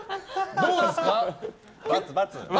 どうですか？